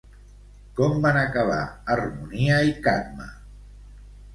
Com van acabar Harmonia i Cadme?